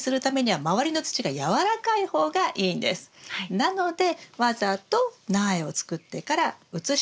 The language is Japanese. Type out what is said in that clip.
なのでわざと苗を作ってから移し替える。